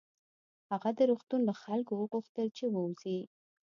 هغه د روغتون له خلکو وغوښتل چې ووځي